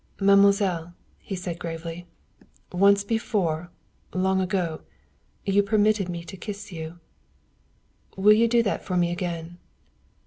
"Mademoiselle," he said gravely, "once before, long ago, you permitted me to kiss you. Will you do that for me again?"